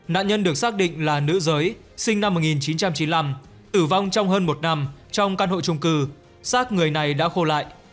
nạn nhân được xác định là nữ giới sinh năm một nghìn chín trăm chín mươi năm tử vong trong hơn một năm trong căn hộ trung cư sát người này đã khô lại